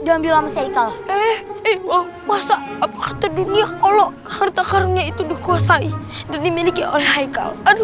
diambil masa dunia kalau harta karunnya itu dikuasai dan dimiliki oleh aikal aduh